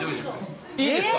いいですか？